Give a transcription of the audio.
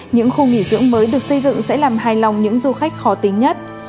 những khu nghỉ dưỡng mới được xây dựng sẽ làm hài lòng những du khách khó tính nhất